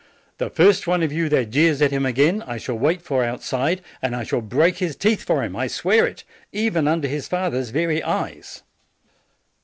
The first one of you that jeers at him again, I shall wait for outside, and I shall break his teeth for him, I swear it, even un der his father's very eyes!"